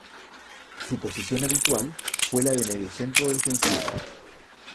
Su posición habitual fue la de mediocentro defensivo.